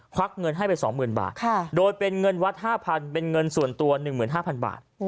วักเงินให้ไป๒๐๐๐บาทโดยเป็นเงินวัด๕๐๐เป็นเงินส่วนตัว๑๕๐๐บาท